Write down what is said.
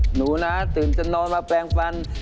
หนูนะตื่นจะนอนมาแปลงฟัน